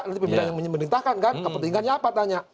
nanti pimpinan yang memerintahkan kan kepentingannya apa tanya